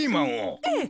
ええ。